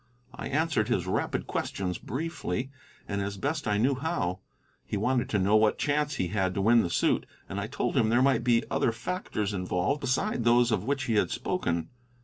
I answered his rapid questions briefly, and as best I knew how. He wanted to know what chance he had to win the suit, and I told him there might be other factors involved beside those of which he had spoken.